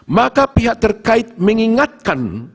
maka pihak terkait mengingatkan